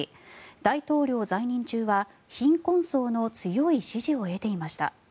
大統領在任中は貧困層の強い支持を得ていました。